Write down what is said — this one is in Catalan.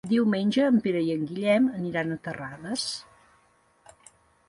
Diumenge en Pere i en Guillem aniran a Terrades.